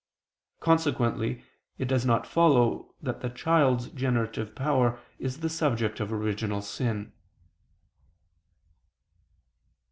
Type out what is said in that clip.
Consequently, it does not follow that the child's generative power is the subject of original sin.